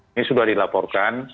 ini sudah dilaporkan